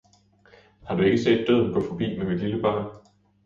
Har du ikke set Døden gå forbi med mit lille barn?